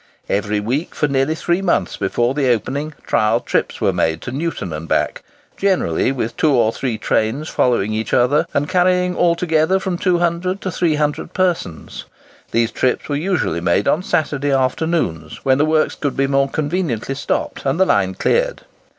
Every week, for nearly three months before the opening, trial trips were made to Newton and back, generally with two or three trains following each other, and carrying altogether from 200 to 300 persons. These trips were usually made on Saturday afternoons, when the works could be more conveniently stopped and the line cleared.